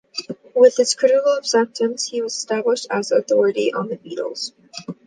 With its critical acceptance, he was established as an authority on the Beatles.